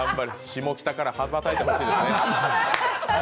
下北から羽ばたいてほしいですね。